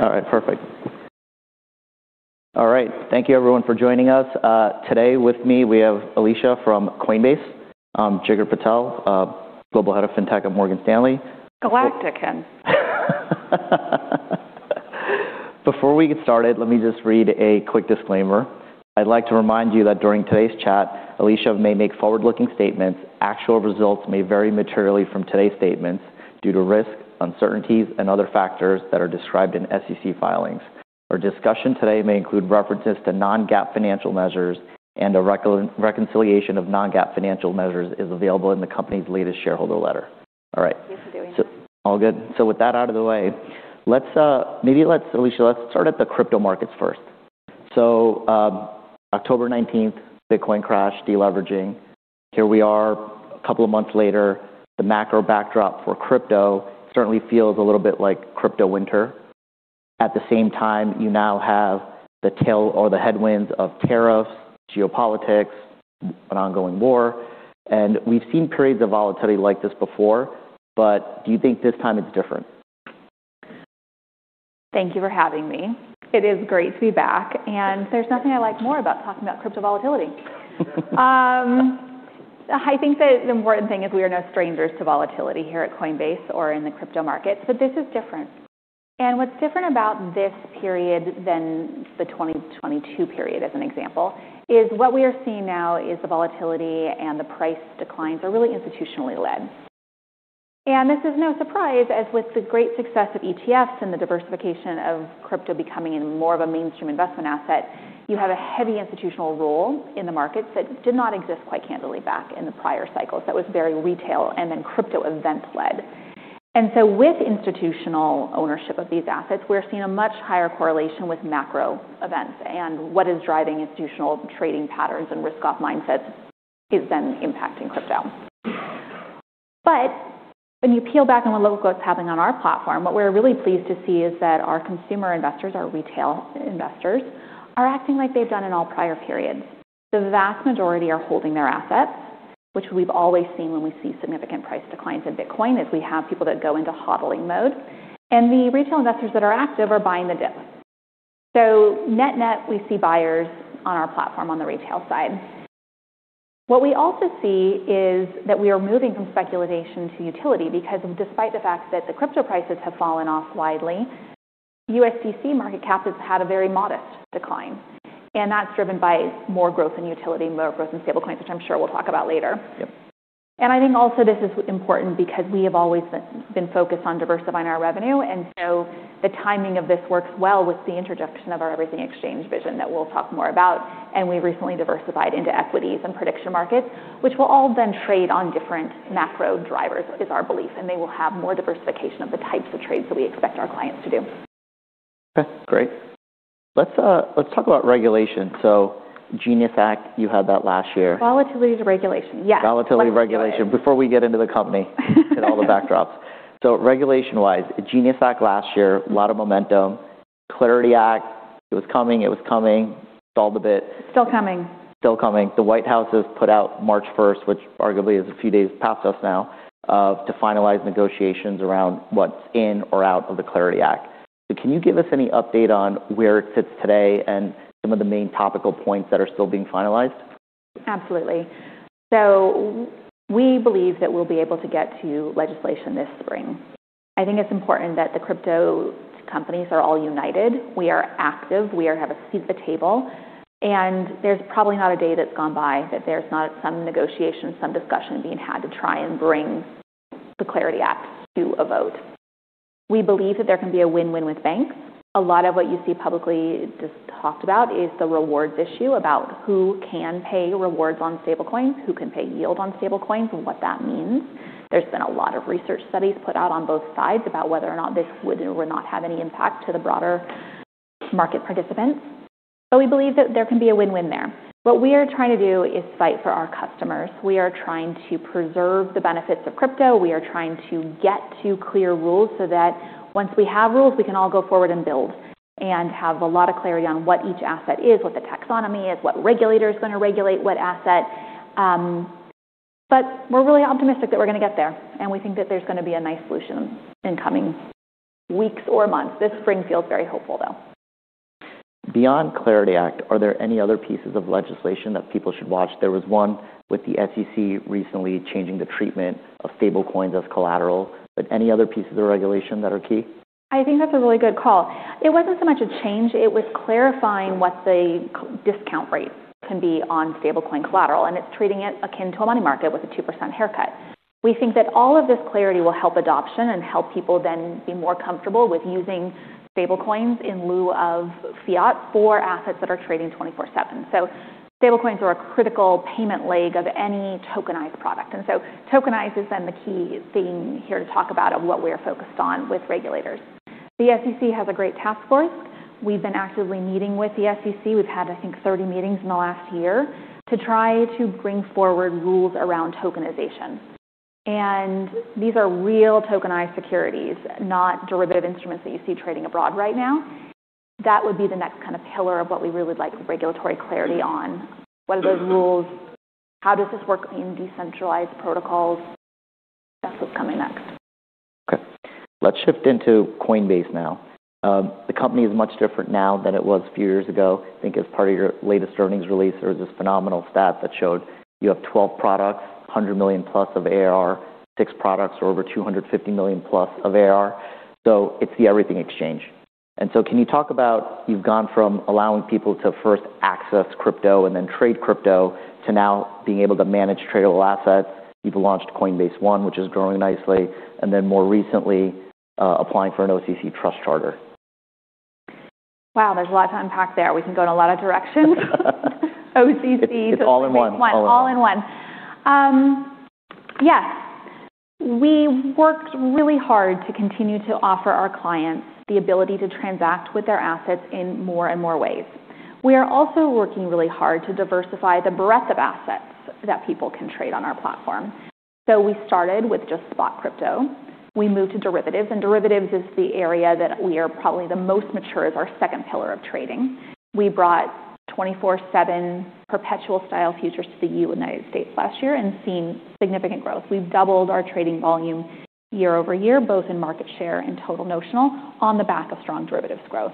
All right, perfect. All right. Thank you everyone for joining us. Today with me we have Alesia from Coinbase, Jigar Patel, Global Head of Fintech at Morgan Stanley. Galactican. Before we get started, let me just read a quick disclaimer. I'd like to remind you that during today's chat, Alesia may make forward-looking statements. Actual results may vary materially from today's statements due to risks uncertainties, and other factors that are described in SEC filings. Our discussion today may include references to non-GAAP financial measures and a reconciliation of non-GAAP financial measures is available in the company's latest shareholder letter. All right. Yes, I do. All good. With that out of the way, let's Alesia, let's start at the crypto markets first. October 19th, Bitcoin crashed, de-leveraging. Here we are a couple of months later. The macro backdrop for crypto certainly feels a little bit like crypto winter. At the same time, you now have the tail or the headwinds of tariffs, geopolitics, an ongoing war. We've seen periods of volatility like this before, but do you think this time it's different? Thank you for having me. It is great to be back. There's nothing I like more about talking about crypto volatility. I think the important thing is we are no strangers to volatility here at Coinbase or in the crypto market. This is different. What's different about this period than the 2022 period as an example, is what we are seeing now is the volatility and the price declines are really institutionally led. This is no surprise, as with the great success of ETFs and the diversification of crypto becoming more of a mainstream investment asset, you have a heavy institutional role in the markets that did not exist quite candidly back in the prior cycles. That was very retail and then crypto event-led. With institutional ownership of these assets, we're seeing a much higher correlation with macro events and what is driving institutional trading patterns and risk-off mindsets is then impacting crypto. When you peel back on the level of what's happening on our platform, what we're really pleased to see is that our consumer investors, our retail investors, are acting like they've done in all prior periods. The vast majority are holding their assets, which we've always seen when we see significant price declines in Bitcoin, is we have people that go into HODLing mode. The retail investors that are active are buying the dip. Net-net, we see buyers on our platform on the retail side. What we also see is that we are moving from speculation to utility because despite the fact that the crypto prices have fallen off widely, USDC market cap has had a very modest decline, and that's driven by more growth in utility and more growth in Stablecoins, which I'm sure we'll talk about later. Yep. I think also this is important because we have always been focused on diversifying our revenue so the timing of this works well with the introduction of our Everything Exchange vision that we'll talk more about. We recently diversified into equities and prediction markets which will all then trade on different macro drivers, is our belief, and they will have more diversification of the types of trades that we expect our clients to do. Okay, great. Let's talk about regulation. GENIUS Act, you had that last year. Volatility to regulation. Yes. Volatility to regulation. Before we get into the company and all the backdrops. Regulation-wise, GENIUS Act last year a lot of momentum. CLARITY Act, it was coming, stalled a bit. Still coming. Still coming. The White House has put out March first, which arguably is a few days past us now to finalize negotiations around what's in or out of the CLARITY Act. Can you give us any update on where it sits today and some of the main topical points that are still being finalized? Absolutely. We believe that we'll be able to get to legislation this spring. I think it's important that the crypto companies are all united. We are active. We have a seat at the table. There's probably not a day that's gone by that there's not some negotiation, some discussion being had to try and bring the CLARITY Act to a vote. We believe that there can be a win-win with banks. A lot of what you see publicly just talked about is the rewards issue about who can pay rewards on Stablecoins, who can pay yield on Stablecoins, and what that means. There's been a lot of research studies put out on both sides about whether or not this would or would not have any impact to the broader market participants. We believe that there can be a win-win there. What we are trying to do is fight for our customers. We are trying to preserve the benefits of crypto. We are trying to get to clear rules so that once we have rules, we can all go forward and build and have a lot of clarity on what each asset is what the taxonomy is what regulator is gonna regulate what asset. We're really optimistic that we're gonna get there, and we think that there's gonna be a nice solution in coming weeks or months. This spring feels very hopeful, though. Beyond CLARITY Act, are there any other pieces of legislation that people should watch? There was one with the SEC recently changing the treatment of Stablecoins as collateral, any other pieces of regulation that are key? I think that's a really good call. It wasn't so much a change. It was clarifying what the discount rates can be on Stablecoin collateral, and it's treating it akin to a money market with a 2% haircut. We think that all of this clarity will help adoption and help people then be more comfortable with using Stablecoins in lieu of fiat for assets that are trading 24/7. Stablecoins are a critical payment leg of any tokenized product. Tokenized has been the key theme here to talk about of what we are focused on with regulators. The SEC has a great task force. We've been actively meeting with the SEC. We've had I think 30 meetings in the last year to try to bring forward rules around tokenization. These are real tokenized securities, not derivative instruments that you see trading abroad right now. That would be the next kind of pillar of what we really would like regulatory clarity on. What are the rules? How does this work in decentralized protocols? That's what's coming next. Okay, let's shift into Coinbase now. The company is much different now than it was a few years ago. I think as part of your latest earnings release, there was this phenomenal stat that showed you have 12 products, $100 million+ of ARR, SIX products are over $250 million+ of ARR. It's the Everything Exchange. Can you talk about, you've gone from allowing people to first access crypto and then trade crypto to now being able to manage tradable assets. You've launched Coinbase One which is growing nicely, and then more recently, applying for an OCC trust charter. Wow. There's a lot to unpack there. We can go in a lot of directions. OCC It's all in one. All in one. Coinbase One. All in one. Yes. We worked really hard to continue to offer our clients the ability to transact with their assets in more and more ways. We are also working really hard to diversify the breadth of assets that people can trade on our platform. We started with just spot crypto. We moved to derivatives, and derivatives is the area that we are probably the most mature is our second pillar of trading. We brought 24/7 perpetual style futures to the United States last year and seen significant growth. We've doubled our trading volume year-over-year, both in market share and total notional, on the back of strong derivatives growth.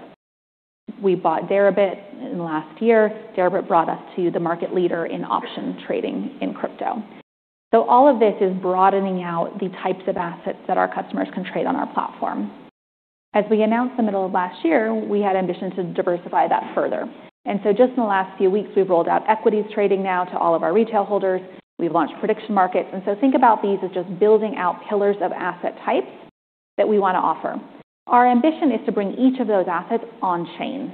We bought Deribit in the last year. Deribit brought us to the market leader in option trading in crypto. All of this is broadening out the types of assets that our customers can trade on our platform. As we announced in the middle of last year, we had ambition to diversify that further. Just in the last few weeks we've rolled out equities trading now to all of our retail holders. We've launched prediction markets. Think about these as just building out pillars of asset types that we want to offer. Our ambition is to bring each of those assets on-chain.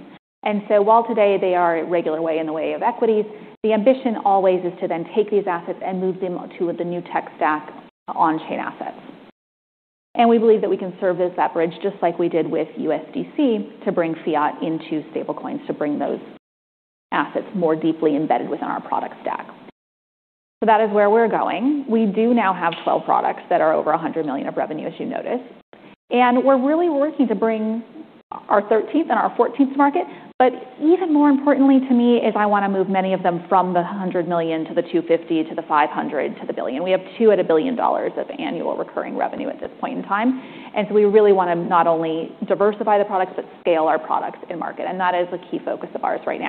While today they are regular way in the way of equities, the ambition always is to then take these assets and move them to the new tech stack on-chain assets. We believe that we can serve as that bridge just like we did with USDC, to bring fiat into stable coins to bring those assets more deeply embedded within our product stack. That is where we're going. We do now have 12 products that are over $100 million of revenue, as you noticed. We're really working to bring our 13th and our 14th market. Even more importantly to me is i wanna move many of them from the $100 million to the $250 million, to the $500 million, to the $1 billion. We have two at $1 billion of annual recurring revenue at this point in time. We really wanna not only diversify the products but scale our products in market. That is a key focus of ours right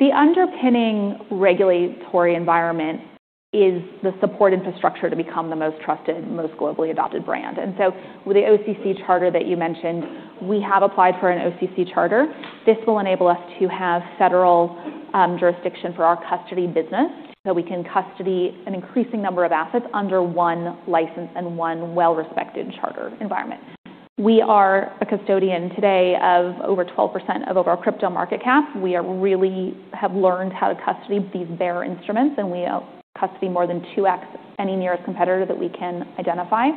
now. The underpinning regulatory environment is the support infrastructure to become the most trusted most globally adopted brand. With the OCC charter that you mentioned, we have applied for an OCC charter. This will enable us to have federal jurisdiction for our custody business, so we can custody an increasing number of assets under one license and one well-respected charter environment. We are a custodian today of over 12% of overall crypto market cap. We have learned how to custody these bearer instruments, and we custody more than 2x any nearest competitor that we can identify.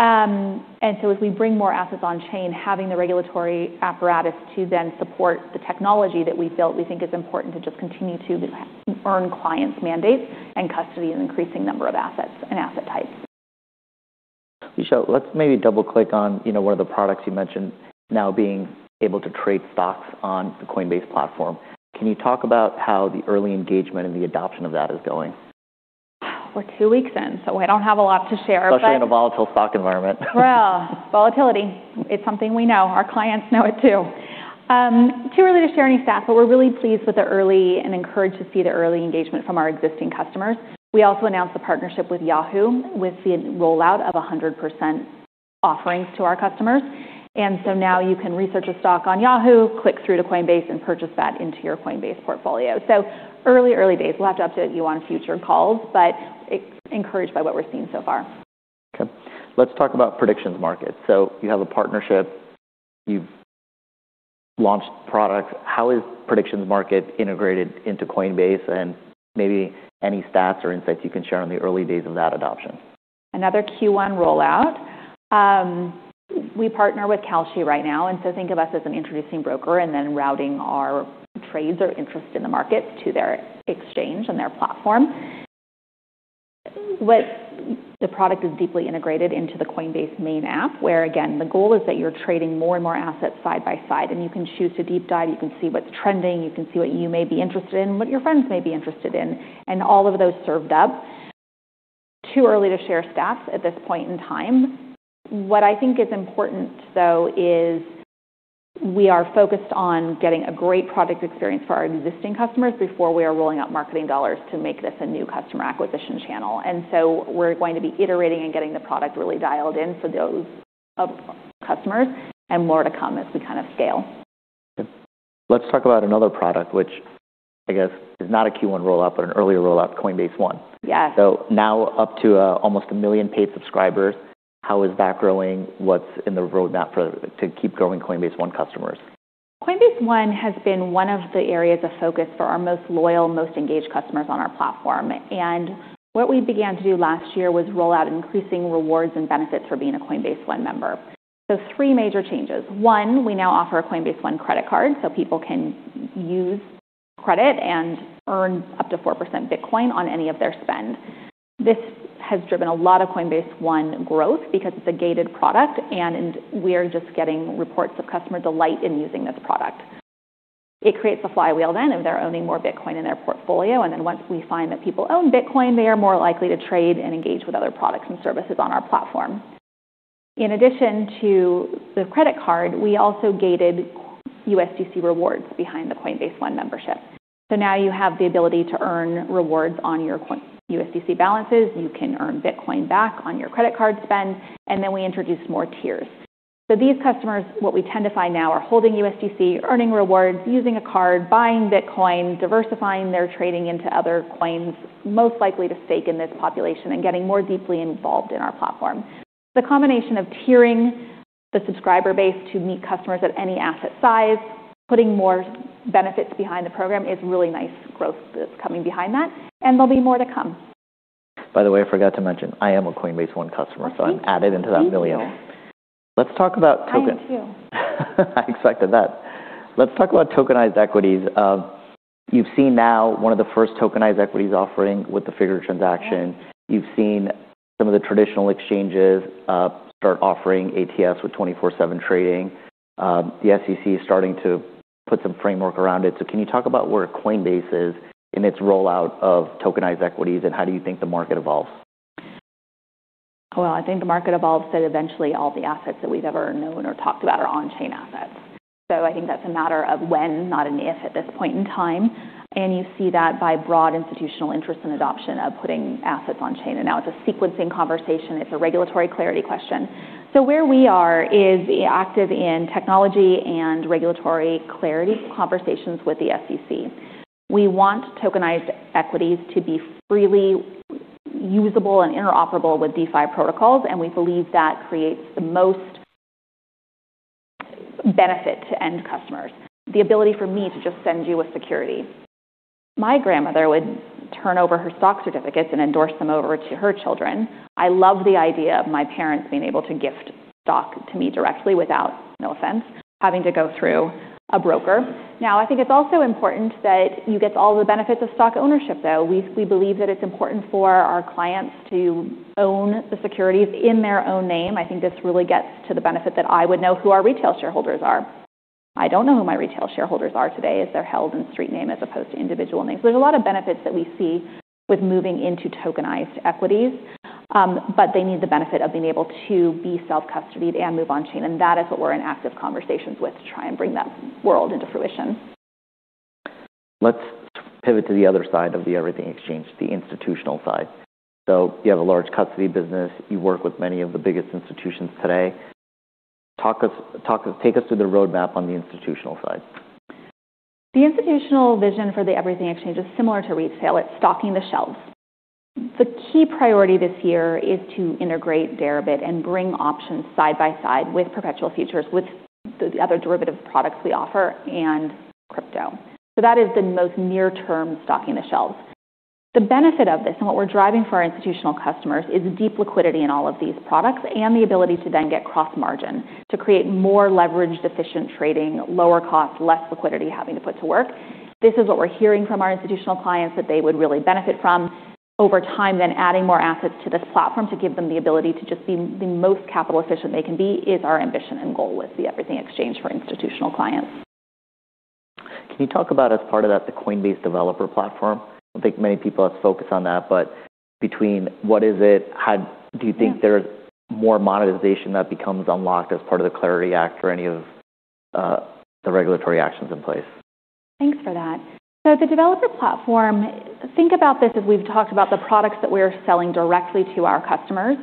As we bring more assets on-chain having the regulatory apparatus to then support the technology that we built we think is important to just continue to earn clients' mandates and custody an increasing number of assets and asset types. Alesia Haas, let's maybe double-click on you know one of the products you mentioned now being able to trade stocks on the Coinbase platform. Can you talk about how the early engagement and the adoption of that is going? We're two weeks in so I don't have a lot to share but... Especially in a volatile stock environment. Well, volatility, it's something we know. Our clients know it too. Too early to share any stats, but we're really pleased with the early and encouraged to see the early engagement from our existing customers. We also announced a partnership with Yahoo with the rollout of 100% offerings to our customers. Now you can research a stock on Yahoo click through to Coinbase, and purchase that into your Coinbase portfolio. Early, early days. We'll have to update you on future calls, but it's encouraged by what we're seeing so far. Okay. Let's talk about predictions market. You have a partnership, you've launched products. How is predictions market integrated into Coinbase? Maybe any stats or insights you can share on the early days of that adoption. Another Q1 rollout. We partner with Clear Street right now, think of us as an introducing broker routing our trades or interest in the market to their exchange and their platform. The product is deeply integrated into the Coinbase main app, where again, the goal is that you're trading more and more assets side by side you can choose to deep dive. You can see what's trending, you can see what you may be interested in what your friends may be interested in, all of those served up. Too early to share stats at this point in time. What I think is important though is we are focused on getting a great product experience for our existing customers before we are rolling out marketing dollars to make this a new customer acquisition channel. We're going to be iterating and getting the product really dialed in for those of customers and more to come as we kind of scale. Let's talk about another product, which I guess is not a Q1 rollout, but an earlier rollout, Coinbase One. Yes. Now up to, almost 1 million paid subscribers. How is that growing? What's in the roadmap to keep growing Coinbase One customers? Coinbase One has been one of the areas of focus for our most loyal, most engaged customers on our platform. What we began to do last year was roll out increasing rewards and benefits for being a Coinbase One member. Three major changes. One, we now offer a Coinbase One credit card, so people can use credit and earn up to 4% Bitcoin on any of their spend. This has driven a lot of Coinbase One growth because it's a gated product, and we are just getting reports of customer delight in using this product. It creates a flywheel then of their owning more Bitcoin in their portfolio. Once we find that people own Bitcoin, they are more likely to trade and engage with other products and services on our platform. In addition to the credit card, we also gated USDC rewards behind the Coinbase One membership. Now you have the ability to earn rewards on your USDC balances. You can earn Bitcoin back on your credit card spend, and then we introduce more tiers. These customers, what we tend to find now are holding USDC, earning rewards, using a card, buying Bitcoin, diversifying their trading into other coins, most likely to stake in this population, and getting more deeply involved in our platform. The combination of tiering the subscriber base to meet customers at any asset size, putting more benefits behind the program is really nice growth that's coming behind that, there'll be more to come. By the way, I forgot to mention, I am a Coinbase One customer, so I'm added into that 1 million. I see. Me too. Let's talk about I am too. I expected that. Let's talk about tokenized equities. You've seen now one of the first tokenized equities offering with the Figure transaction. Yeah. You've seen some of the traditional exchanges, start offering ATS with 24/7 trading. The SEC is starting to put some framework around it. Can you talk about where Coinbase is in its rollout of tokenized equities, and how do you think the market evolves? Well, I think the market evolves that eventually all the assets that we've ever known or talked about are on-chain assets. I think that's a matter of when, not an if at this point in time. You see that by broad institutional interest and adoption of putting assets on-chain. Now it's a sequencing conversation. It's a regulatory clarity question. Where we are is active in technology and regulatory clarity conversations with the SEC. We want tokenized equities to be freely usable and interoperable with DeFi protocols, and we believe that creates the most benefit to end customers. The ability for me to just send you a security. My grandmother would turn over her stock certificates and endorse them over to her children. I love the idea of my parents being able to gift stock to me directly without, no offense, having to go through a broker. I think it's also important that you get all the benefits of stock ownership, though. We believe that it's important for our clients to own the securities in their own name. I think this really gets to the benefit that I would know who our retail shareholders are. I don't know who my retail shareholders are today, as they're held in street name as opposed to individual names. There's a lot of benefits that we see with moving into tokenized equities, but they need the benefit of being able to be self-custodied and move on-chain, and that is what we're in active conversations with to try and bring that world into fruition. Let's pivot to the other side of the Everything Exchange, the institutional side. You have a large custody business. You work with many of the biggest institutions today. Take us through the roadmap on the institutional side. The institutional vision for the Everything Exchange is similar to retail. It's stocking the shelves. The key priority this year is to integrate Deribit and bring options side by side with perpetual futures, with the other derivative products we offer and crypto. That is the most near-term stocking the shelves. The benefit of this, and what we're driving for our institutional customers, is deep liquidity in all of these products and the ability to then get cross-margin to create more leveraged, efficient trading, lower cost, less liquidity having to put to work. This is what we're hearing from our institutional clients that they would really benefit from. Over time, then adding more assets to this platform to give them the ability to just be the most capital efficient they can be is our ambition and goal with the Everything Exchange for institutional clients. Can you talk about as part of that, the Coinbase Developer Platform? I don't think many people have focused on that, but between what is it, how do you think there's more monetization that becomes unlocked as part of the CLARITY Act or any of the regulatory actions in place? The developer platform, think about this as we've talked about the products that we're selling directly to our customers.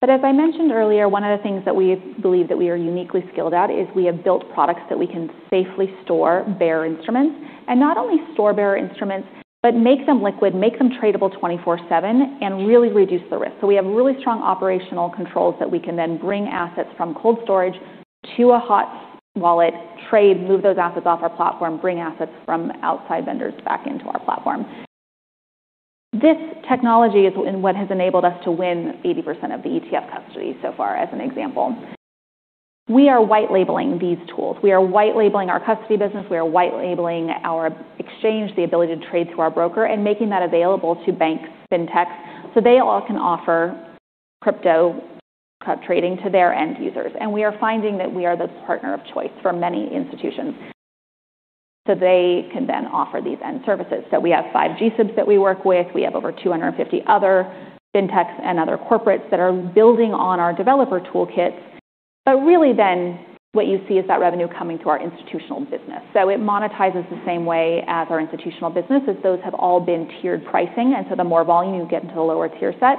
As I mentioned earlier, one of the things that we believe that we are uniquely skilled at is we have built products that we can safely store bearer instruments, and not only store bearer instruments, but make them liquid, make them tradable 24/7, and really reduce the risk. We have really strong operational controls that we can then bring assets from cold storage to a hot wallet trade, move those assets off our platform, bring assets from outside vendors back into our platform. This technology is what has enabled us to win 80% of the ETF custody so far as an example. We are white labeling these tools. We are white labeling our custody business. We are white labeling our exchange, the ability to trade through our broker, and making that available to banks, fintechs, so they all can offer crypto trading to their end users. We are finding that we are the partner of choice for many institutions, so they can then offer these end services. We have five G-SIBs that we work with. We have over 250 other fintechs and other corporates that are building on our developer toolkits. Really then what you see is that revenue coming to our institutional business. It monetizes the same way as our institutional business, as those have all been tiered pricing, and so the more volume, you get into the lower tier set.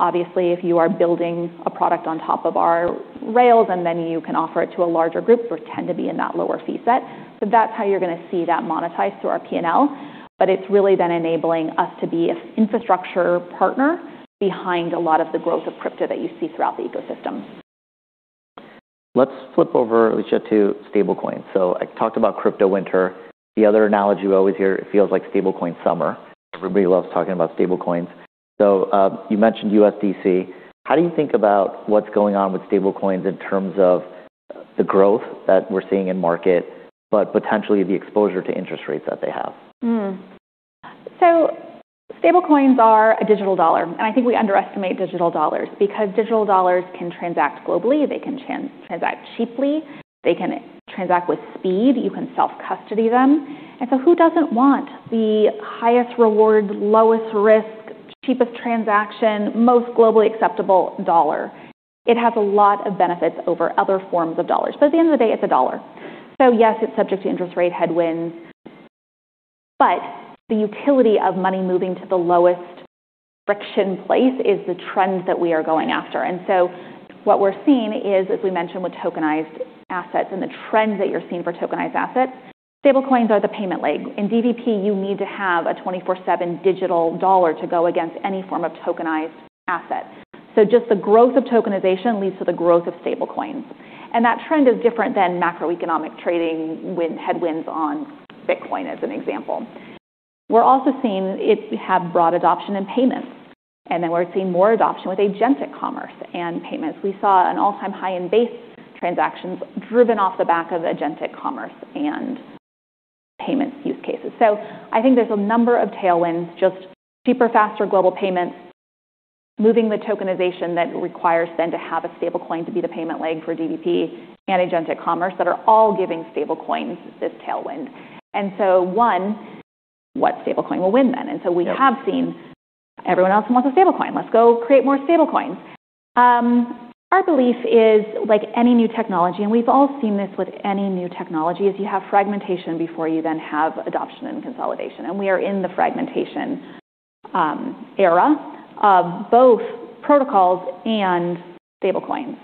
Obviously, if you are building a product on top of our rails, and then you can offer it to a larger group, those tend to be in that lower fee set. That's how you're going to see that monetized through our P&L. It's really then enabling us to be an infrastructure partner behind a lot of the growth of crypto that you see throughout the ecosystem. Let's flip over, Alesia, to Stablecoin. I talked about crypto winter. The other analogy you always hear, it feels like Stablecoin summer. Everybody loves talking about Stablecoins. You mentioned USDC. How do you think about what's going on with Stablecoins in terms of the growth that we're seeing in market, but potentially the exposure to interest rates that they have? Stablecoins are a digital dollar, and I think we underestimate digital dollars because digital dollars can transact globally, they can transact cheaply, they can transact with speed, you can self-custody them. Who doesn't want the highest reward, lowest risk, cheapest transaction, most globally acceptable dollar? It has a lot of benefits over other forms of dollars. At the end of the day, it's a dollar. Yes, it's subject to interest rate headwinds, but the utility of money moving to the lowest friction place is the trends that we are going after. What we're seeing is, as we mentioned with tokenized assets and the trends that you're seeing for tokenized assets, Stablecoins are the payment leg. In DVP, you need to have a 24/7 digital dollar to go against any form of tokenized asset. Just the growth of tokenization leads to the growth of Stablecoins. That trend is different than macroeconomic trading headwinds on Bitcoin as an example. We're also seeing it have broad adoption in payments, and then we're seeing more adoption with agentic commerce and payments. We saw an all-time high in Base transactions driven off the back of agentic commerce and payments use cases. I think there's a number of tailwinds, just cheaper, faster global payments, moving the tokenization that requires then to have a Stablecoin to be the payment leg for DVP and agentic commerce that are all giving Stablecoins this tailwind. What Stablecoin will win then? Yep. We have seen everyone else wants a Stablecoin. Let's go create more Stablecoins. Our belief is like any new technology, and we've all seen this with any new technology, is you have fragmentation before you then have adoption and consolidation. We are in the fragmentation era of both protocols and Stablecoins.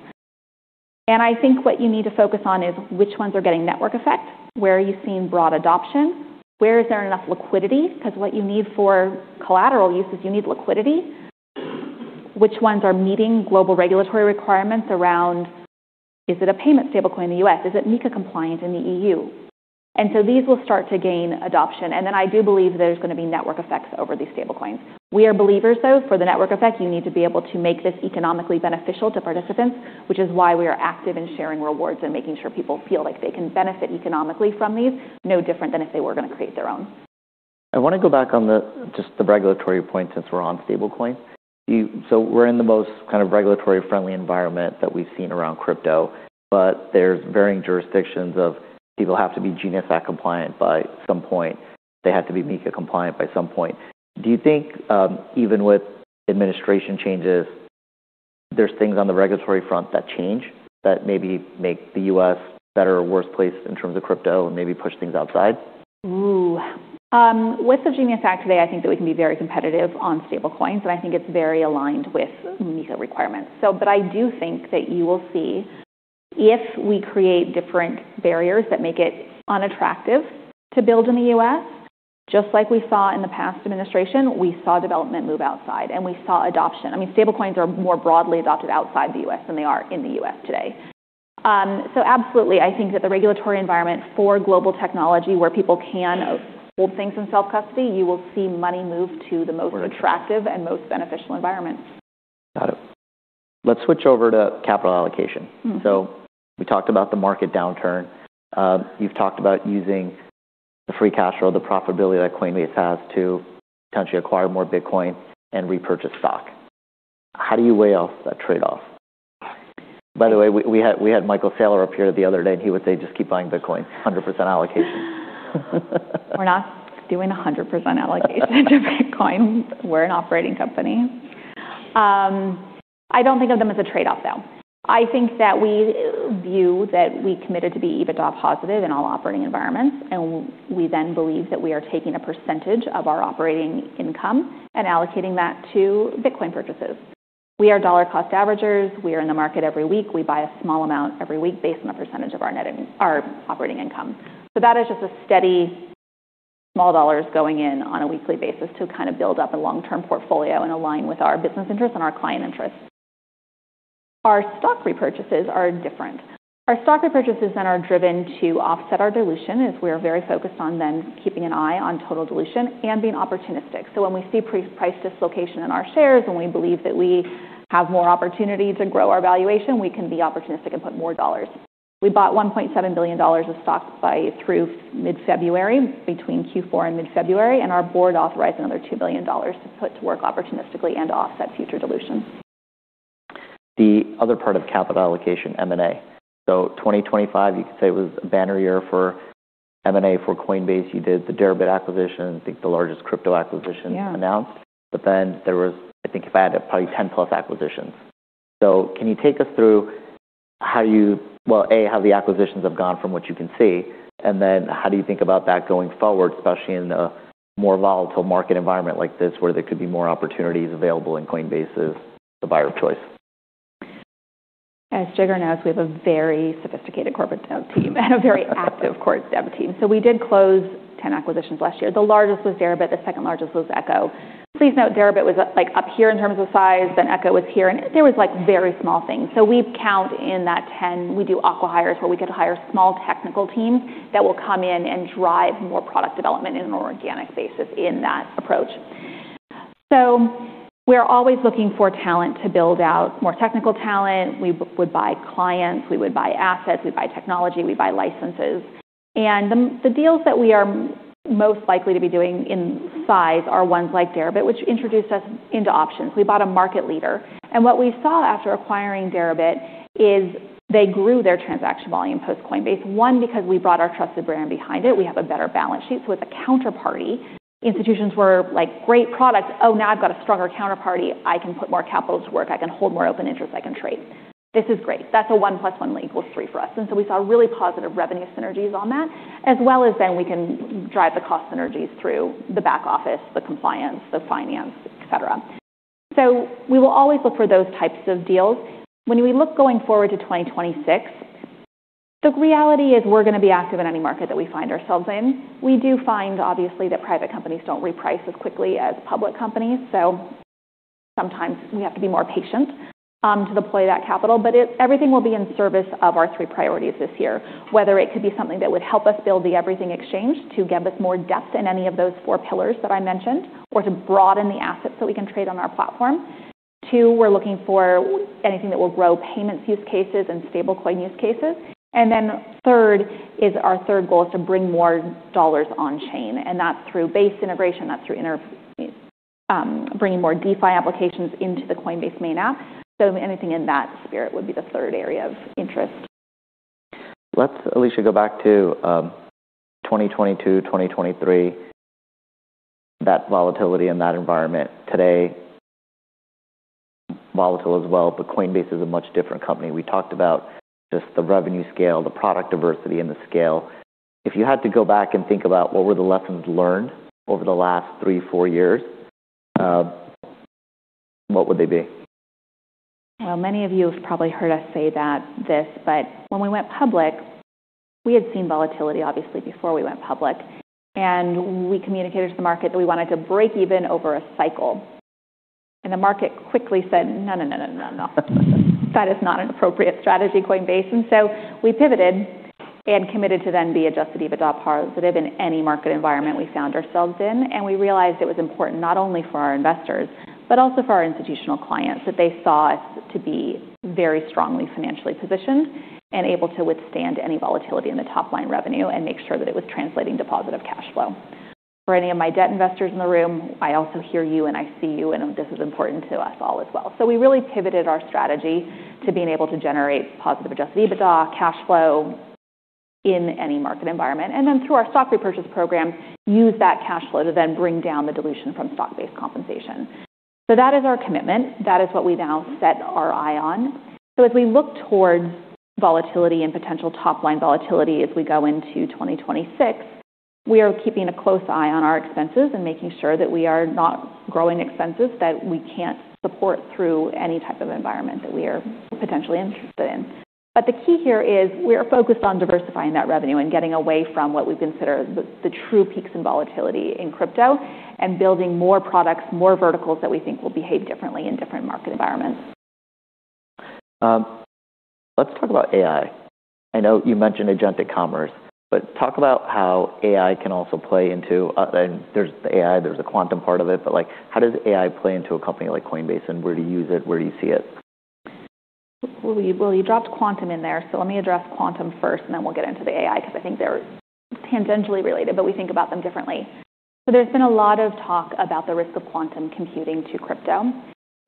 I think what you need to focus on is which ones are getting network effect, where are you seeing broad adoption, where is there enough liquidity? 'Cause what you need for collateral use is you need liquidity. Which ones are meeting global regulatory requirements around is it a payment Stablecoin in the U.S.? Is it MiCA compliant in the E.U.? These will start to gain adoption. I do believe there's gonna be network effects over these Stablecoins. We are believers, though, for the network effect, you need to be able to make this economically beneficial to participants, which is why we are active in sharing rewards and making sure people feel like they can benefit economically from these, no different than if they were gonna create their own. I wanna go back on just the regulatory point since we're on Stablecoin. We're in the most kind of regulatory friendly environment that we've seen around crypto, but there's varying jurisdictions of people have to be GENIUS Act compliant by some point. They have to be MiCA compliant by some point. Do you think, even with administration changes, there's things on the regulatory front that change that maybe make the U.S. better or worse place in terms of crypto and maybe push things outside? With the GENIUS Act today, I think that we can be very competitive on Stablecoins, and I think it's very aligned with MiCA requirements. I do think that you will see if we create different barriers that make it unattractive to build in the U.S., just like we saw in the past administration, we saw development move outside, and we saw adoption. I mean, Stablecoins are more broadly adopted outside the U.S. than they are in the U.S. today. Absolutely, I think that the regulatory environment for global technology where people can hold things in self-custody, you will see money move to the most attractive and most beneficial environment. Got it. Let's switch over to capital allocation. Mm-hmm. We talked about the market downturn. You've talked about using the free cash flow, the profitability that Coinbase has to potentially acquire more Bitcoin and repurchase stock. How do you weigh off that trade-off? By the way, we had Michael Saylor up here the other day, and he would say, "Just keep buying Bitcoin, 100% allocation. We're not doing a 100% allocation to Bitcoin. We're an operating company. I don't think of them as a trade-off, though. I think that we view that we committed to be EBITDA positive in all operating environments, and we then believe that we are taking a percentage of our operating income and allocating that to Bitcoin purchases. We are dollar cost averagers. We are in the market every week. We buy a small amount every week based on a percentage of our operating income. That is just a steady small dollars going in on a weekly basis to kind of build up a long-term portfolio and align with our business interests and our client interests. Our stock repurchases are different. Our stock repurchases are driven to offset our dilution, as we are very focused on then keeping an eye on total dilution and being opportunistic. When we see pre-price dislocation in our shares and we believe that we have more opportunity to grow our valuation, we can be opportunistic and put more dollars. We bought $1.7 billion of stock buy through mid-February, between Q4 and mid-February, and our board authorized another $2 billion to put to work opportunistically and offset future dilution. The other part of capital allocation, M&A. 2025, you could say was a banner year for M&A. For Coinbase, you did the Deribit acquisition, I think the largest crypto acquisition announced. Yeah. There was, I think, if I had to probably 10+ acquisitions. Can you take us through how well, A, how the acquisitions have gone from what you can see, and then how do you think about that going forward, especially in a more volatile market environment like this where there could be more opportunities available in Coinbase as the buyer of choice? As Jigar knows, we have a very sophisticated corporate dev team and a very active corporate dev team. We did close 10 acquisitions last year. The largest was Deribit, the second-largest was Echo. Please note Deribit was, like, up here in terms of size, then Echo was here, and there was, like, very small things. We count in that 10, we do acqui-hires, where we get to hire small technical teams that will come in and drive more product development in a more organic basis in that approach. We're always looking for talent to build out more technical talent. We would buy clients, we would buy assets, we buy technology, we buy licenses. The deals that we are most likely to be doing in size are ones like Deribit, which introduced us into options. We bought a market leader, what we saw after acquiring Deribit is they grew their transaction volume post Coinbase One, because we brought our trusted brand behind it. We have a better balance sheet. With a counterparty, institutions were like, great products. Oh, now I've got a stronger counterparty. I can put more capital to work, I can hold more open interest, I can trade. This is great. That's a 1 + 1 equals 3 for us. We saw really positive revenue synergies on that as well as then we can drive the cost synergies through the back office, the compliance, the finance, et cetera. We will always look for those types of deals. When we look going forward to 2026, the reality is we're going to be active in any market that we find ourselves in. We do find obviously, that private companies don't reprice as quickly as public companies. Sometimes we have to be more patient to deploy that capital. Everything will be in service of our three priorities this year. Whether it could be something that would help us build the Everything Exchange to give us more depth in any of those four pillars that I mentioned or to broaden the assets that we can trade on our platform. Two, we're looking for anything that will grow payments use cases and Stablecoin use cases. Third is our third goal is to bring more dollars on-chain, and that's through Base integration, that's through bringing more DeFi applications into the Coinbase main app. Anything in that spirit would be the third area of interest. Let's, Alesia, go back to 2022, 2023. That volatility in that environment today, volatile as well. Coinbase is a much different company. We talked about just the revenue scale, the product diversity and the scale. If you had to go back and think about what were the lessons learned over the last three, four years, what would they be? Well, many of you have probably heard us say that this, but when we went public, we had seen volatility obviously before we went public, we communicated to the market that we wanted to break even over a cycle. The market quickly said, "No, that is not an appropriate strategy, Coinbase." We pivoted and committed to then be adjusted EBITDA positive in any market environment we found ourselves in. We realized it was important not only for our investors, but also for our institutional clients, that they saw us to be very strongly financially positioned and able to withstand any volatility in the top line revenue and make sure that it was translating to positive cash flow. For any of my debt investors in the room, I also hear you and I see you, and this is important to us all as well. We really pivoted our strategy to being able to generate positive adjusted EBITDA cash flow in any market environment. Through our stock repurchase program, use that cash flow to then bring down the dilution from stock-based compensation. That is our commitment. That is what we now set our eye on. As we look towards volatility and potential top line volatility as we go into 2026, we are keeping a close eye on our expenses and making sure that we are not growing expenses that we can't support through any type of environment that we are potentially interested in. The key here is we are focused on diversifying that revenue and getting away from what we consider the true peaks in volatility in crypto and building more products, more verticals that we think will behave differently in different market environments. Let's talk about AI. I know you mentioned agentic commerce, but talk about how AI can also play into. There's the AI, there's a quantum part of it, but like how does AI play into a company like Coinbase and where do you use it? Where do you see it? You dropped quantum in there, so let me address quantum first, and then we'll get into the AI, because I think they're tangentially related, but we think about them differently. There's been a lot of talk about the risk of quantum computing to crypto,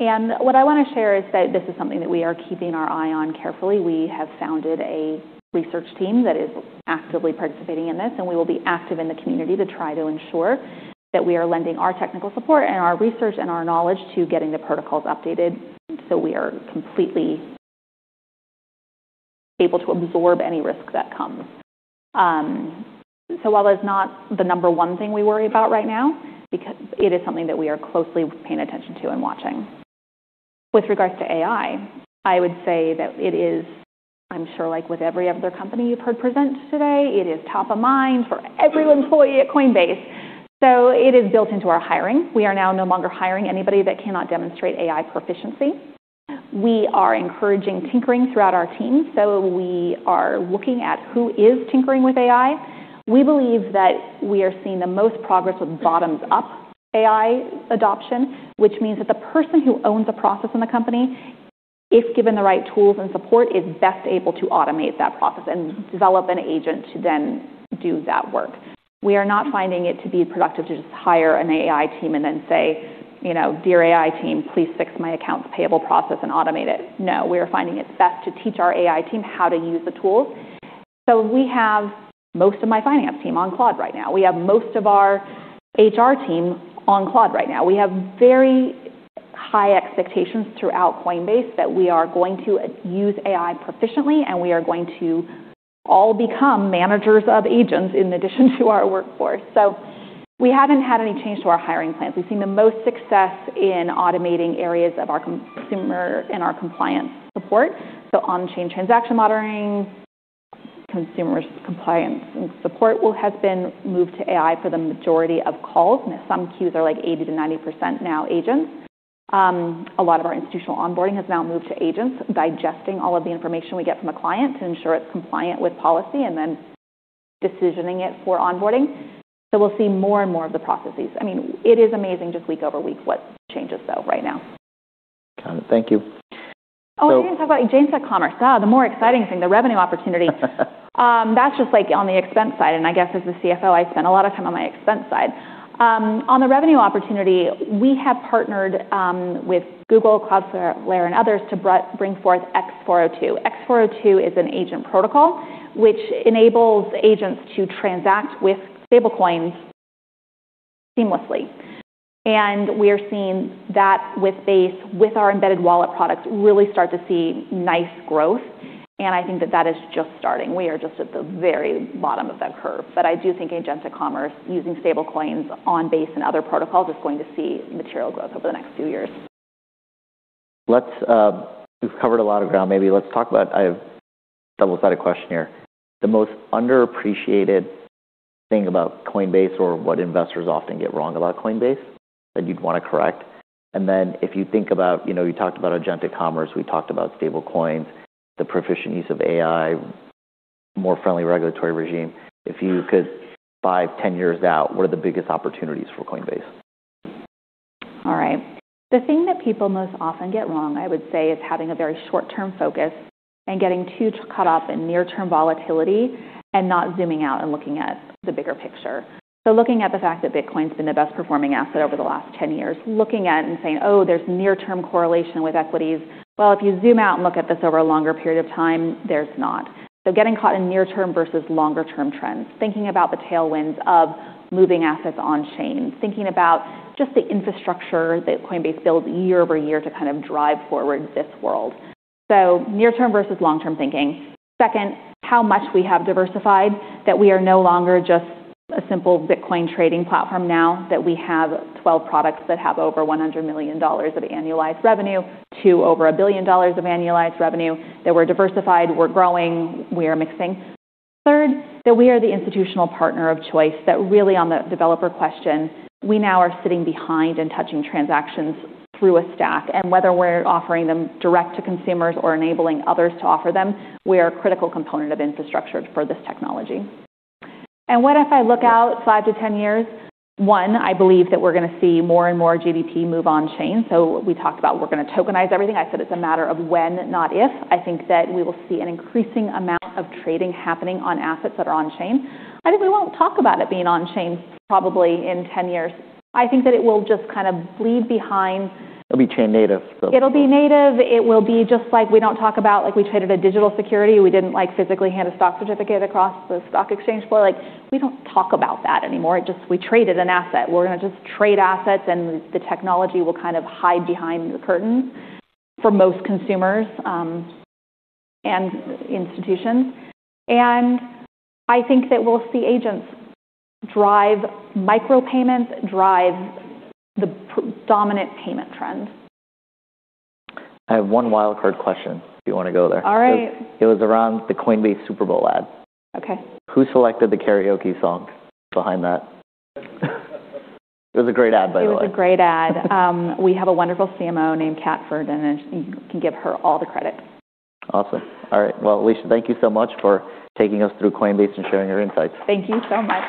and what I want to share is that this is something that we are keeping our eye on carefully. We have founded a research team that is actively participating in this, and we will be active in the community to try to ensure that we are lending our technical support and our research and our knowledge to getting the protocols updated so we are completely able to absorb any risk that comes. While that's not the number 1 thing we worry about right now, because it is something that we are closely paying attention to and watching. With regards to AI, I would say that it is, I'm sure like with every other company you've heard present today, it is top of mind for every employee at Coinbase, so it is built into our hiring. We are now no longer hiring anybody that cannot demonstrate AI proficiency. We are encouraging tinkering throughout our team, so we are looking at who is tinkering with AI. We believe that we are seeing the most progress with bottoms up AI adoption, which means that the person who owns a process in the company, if given the right tools and support, is best able to automate that process and develop an agent to then do that work. We are not finding it to be productive to just hire an AI team and then say you know "Dear AI team, please fix my accounts payable process and automate it." No, we are finding it's best to teach our AI team how to use the tools. We have most of my finance team on Claude right now. We have most of our HR team on Claude right now. We have very high expectations throughout Coinbase that we are going to use AI proficiently and we are going to all become managers of agents in addition to our workforce. We haven't had any change to our hiring plans. We've seen the most success in automating areas of our consumer and our compliance support. On-chain transaction monitoring, consumers compliance and support will have been moved to AI for the majority of calls, and some queues are like 80%-90% now agents. A lot of our institutional onboarding has now moved to agents digesting all of the information we get from a client to ensure it's compliant with policy and then decisioning it for onboarding. We'll see more and more of the processes. I mean, it is amazing just week-over-week what changes, though, right now. Got it. Thank you. I didn't talk about agentic commerce. The more exciting thing, the revenue opportunity. That's just, like, on the expense side, and I guess as the CFO, I spend a lot of time on my expense side. On the revenue opportunity, we have partnered with Google, Cloudflare, and others to bring forth x402. x402 is an agent protocol which enables agents to transact with Stablecoins seamlessly. We are seeing that with Base, with our Embedded Wallets product, really start to see nice growth, and I think that that is just starting. We are just at the very bottom of that curve. I do think agentic commerce using Stablecoins on Base and other protocols is going to see material growth over the next few years. Let's We've covered a lot of ground. Maybe let's talk about I have a double-sided question here. The most underappreciated thing about Coinbase or what investors often get wrong about Coinbase that you'd wanna correct. If you think about you know you talked about agentic commerce, we talked about Stablecoins, the proficient use of AI, more friendly regulatory regime. If you could five, 10 years out, what are the biggest opportunities for Coinbase? All right. The thing that people most often get wrong, I would say, is having a very short-term focus and getting too caught up in near-term volatility and not zooming out and looking at the bigger picture. Looking at the fact that Bitcoin's been the best performing asset over the last 10 years, looking at it and saying, "Oh, there's near-term correlation with equities." Well, if you zoom out and look at this over a longer period of time, there's not. Getting caught in near-term versus longer-term trends, thinking about the tailwinds of moving assets on-chain, thinking about just the infrastructure that Coinbase builds year-over-year to kind of drive forward this world. Near-term versus long-term thinking. Second, how much we have diversified, that we are no longer just a simple Bitcoin trading platform now, that we have 12 products that have over $100 million of annualized revenue to over $1 billion of annualized revenue, that we're diversified, we're growing, we are mixing. Third, that we are the institutional partner of choice, that really on the developer question, we now are sitting behind and touching transactions through a stack. Whether we're offering them direct to consumers or enabling others to offer them, we are a critical component of infrastructure for this technology. What if I look out 5-10 years? One, I believe that we're gonna see more and more GDP move on-chain. We talked about we're gonna tokenize everything. I said it's a matter of when, not if. I think that we will see an increasing amount of trading happening on assets that are on-chain. I think we won't talk about it being on-chain probably in 10 years. I think that it will just kind of bleed behind. It'll be chain native. It'll be native. It will be just like we don't talk about, like, we traded a digital security. We didn't, like, physically hand a stock certificate across the stock exchange floor. Like, we don't talk about that anymore. We traded an asset. We're gonna just trade assets, and the technology will kind of hide behind the curtain for most consumers and institutions. I think that we'll see micropayments drive the predominant payment trends. I have one wild card question, if you wanna go there. All right. It was around the Coinbase Super Bowl ad. Okay. Who selected the karaoke song behind that? It was a great ad, by the way. It was a great ad. We have a wonderful CMO named Kate Rouch. You can give her all the credit. Awesome. All right. Well, Alesia, thank you so much for taking us through Coinbase and sharing your insights. Thank you so much.